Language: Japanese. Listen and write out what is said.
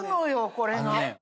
これが。